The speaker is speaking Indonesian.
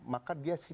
maka dia sepertinya